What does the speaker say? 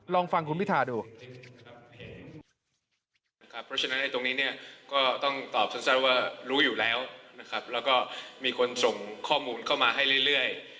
ลองฟังคุณพิธาดู